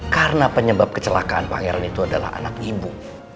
karena penyebab kecelakaan pangeran itu adalah anak ibu